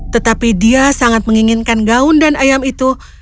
tetapi dia sangat menginginkan gaun dan ayam itu